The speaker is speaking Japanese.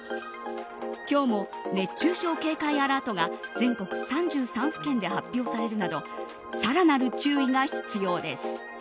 今日も、熱中症警戒アラートが全国３３府県で発表されるなど更なる注意が必要です。